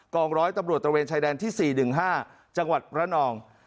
องร้อยตำรวจตระเวนชายแดนที่๔๑๕จังหวัดระนอง